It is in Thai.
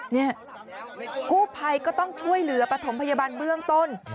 นี่กู้ภัยก็ต้องช่วยเหลือปฐมพยาบาลเบื้องต้น